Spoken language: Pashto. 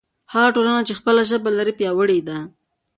هغه ټولنه چې خپله ژبه لري پیاوړې ده.